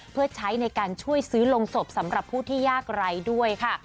เพื่อใช้ในการช่วยซื้อลงศพสำหรับผู้ที่ยากไร้ด้วยค่ะ